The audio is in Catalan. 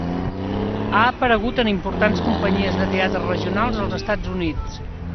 Ha aparegut en importants companyies de teatre regionals als Estats Units.